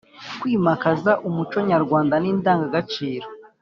kwimakaza umuco nyarwanda n’indangagaciro